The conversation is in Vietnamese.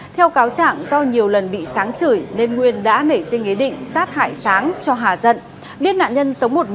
theo cáo chẳng do nhiều lần bị sáng chửi nên nguyên đã nảy sinh ý định sát hại sáng cho hạ dận